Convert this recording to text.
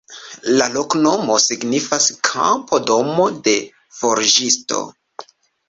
La loknomo signifas: kampo-domo-de forĝisto.